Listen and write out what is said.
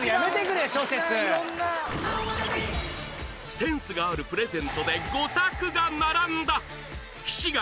センスがあるプレゼントでゴタクが並んだ！